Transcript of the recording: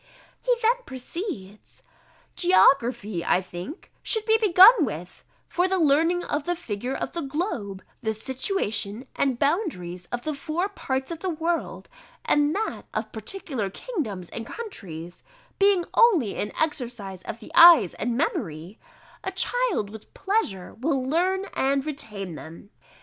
He then proceeds: "Geography, I think, should be begun with: for the learning of the figure of the globe, the situation and boundaries of the four parts of the world, and that of particular kingdoms and countries, being only an exercise of the eyes and memory, a child with pleasure will learn and retain them.